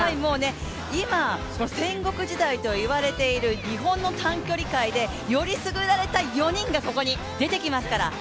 今、戦国時代といわれている日本の短距離界で選りすぐられた４人がここに出てきますから。